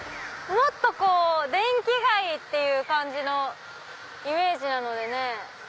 もっと電気街っていう感じのイメージなのでね。